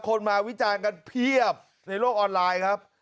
คนมาวิจารณ์กันเพียบในโลกออนไลน์ครับ